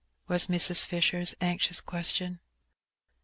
'* was Mrs. Fisher's anxious question.